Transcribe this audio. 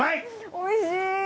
おいしい！